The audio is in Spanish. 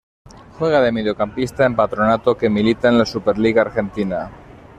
Juega de mediocampista en Patronato que milita en la Superliga Argentina.